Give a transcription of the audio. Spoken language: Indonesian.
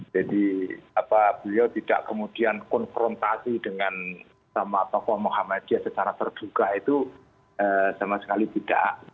jadi apa beliau tidak kemudian konfrontasi dengan sama tokoh muhammadiyah secara terduga itu sama sekali tidak